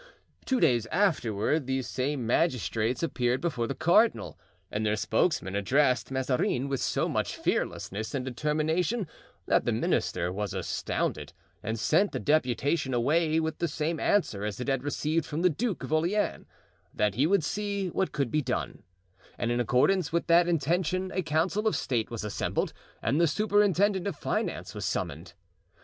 Two days afterward these same magistrates appeared before the cardinal and their spokesman addressed Mazarin with so much fearlessness and determination that the minister was astounded and sent the deputation away with the same answer as it had received from the Duke of Orleans—that he would see what could be done; and in accordance with that intention a council of state was assembled and the superintendent of finance was summoned.